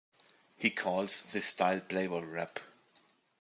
He calls this style playboy rap.